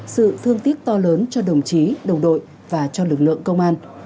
sự thương tiếc to lớn cho đồng chí đồng đội và cho lực lượng công an